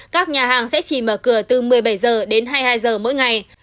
các nhà hàng sẽ chỉ mở cửa từ một mươi bảy h đến hai mươi hai h mỗi ngày